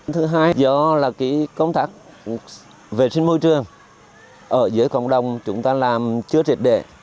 thứ hai là do công tác vệ sinh môi trường ở dưới cộng đồng chúng ta làm chưa triệt đệ